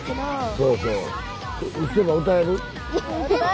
そうそう。